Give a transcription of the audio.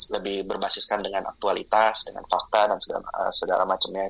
lebih berbasiskan dengan aktualitas dengan fakta dan segala macamnya